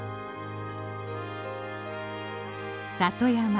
里山。